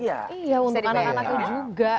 iya untuk anak anak itu juga